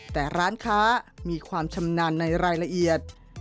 แต่ร้านค้ามีความชำนาญในรายละเอียด